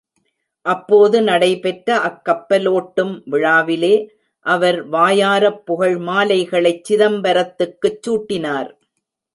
அப்போது நடைபெற்ற அக்கப்பலோட்டும் விழாவிலே அவர் வாயாரப் புகழ் மாலைகளைச் சிதம்பரத்துக்குச் சூட்டினார்.